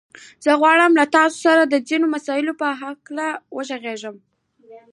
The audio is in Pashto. زه غواړم له تاسو سره د ځينو مسايلو په هکله وغږېږم.